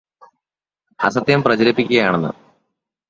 അസത്യം പ്രചരിപ്പിക്കുകയാണെന്ന്.